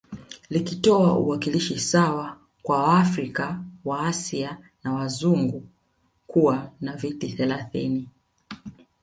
Likutoa uwakilishi sawa kwa waafrika waasia na wazungu kuwa na viti thelathini